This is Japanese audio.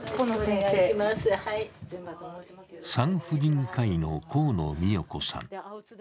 産婦人科医の河野美代子さん。